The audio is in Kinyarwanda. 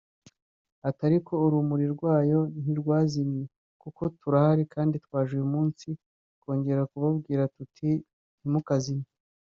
Ati “Ariko urumuri rwayo ntirwazimye kuko turahari kandi twaje uyu munsi kongera kubabwira tuti ntimukazime